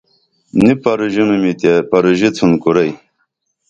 نی پروژینُمی تے پروژیتُھن کُرئی